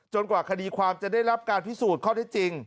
กว่าคดีความจะได้รับการพิสูจน์ข้อได้จริง